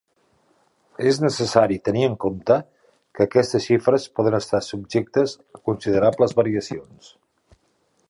És necessari tenir en compte que aquestes xifres poden estar subjectes a considerables variacions.